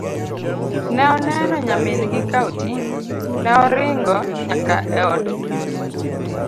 ne oneno nyamin gi ka oting' ne oringo nyaka e odgi